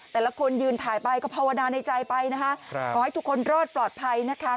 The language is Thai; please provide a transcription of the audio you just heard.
แต่ละคนยืนถ่ายไปก็ภาวนาในใจไปนะคะขอให้ทุกคนรอดปลอดภัยนะคะ